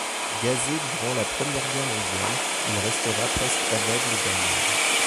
Gazé durant la Première Guerre mondiale, il restera presque aveugle d'un œil.